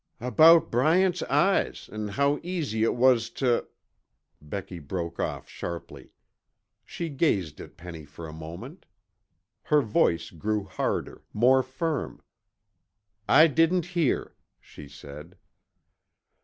"About Bryant's eyes an' how easy it was tuh " Becky broke off sharply. She gazed at Penny for a moment. Her voice grew harder, more firm. "I didn't hear," she said.